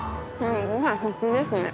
ごはん普通ですね。